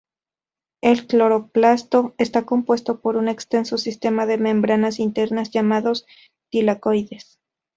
El cloroplasto está compuesto por un extenso sistema de membranas internas llamados tilacoides.